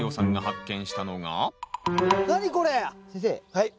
はい。